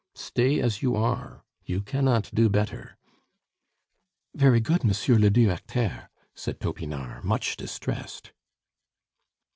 Stay as you are you cannot do better." "Very good, monsieur le directeur," said Topinard, much distressed.